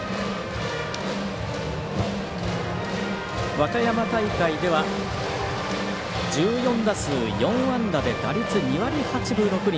和歌山大会では１４打数４安打で打率２割８分６厘。